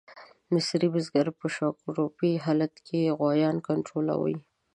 مصري بزګر په شاکړوپي حالت کې غویان کنټرولوي.